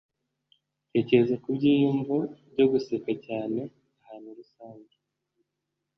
tekereza ku byiyumvo byo guseka cyane ahantu rusange